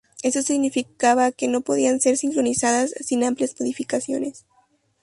Esto significaba que no podían ser sincronizadas sin amplias modificaciones.